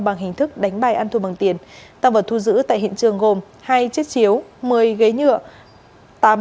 bằng hình thức đánh bài ăn thua bằng tiền tăng vật thu giữ tại hiện trường gồm hai chiếc chiếu một mươi ghế nhựa